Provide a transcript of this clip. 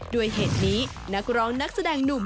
ด้วยเหตุนี้นักร้องนักแสดงหนุ่ม